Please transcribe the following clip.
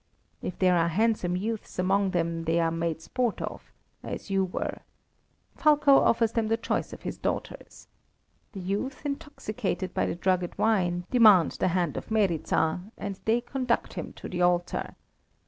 If there are handsome youths amongst them they are made sport of, as you were. Fulko offers them the choice of his daughters. The youth, intoxicated by the drugged wine, demand the hand of Meryza, and they conduct him to the altar.